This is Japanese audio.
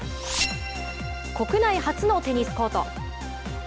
国内初のテニスコート。